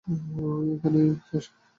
এখানে, স্যার।